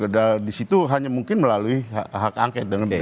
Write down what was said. dan disitu hanya mungkin melalui hak angket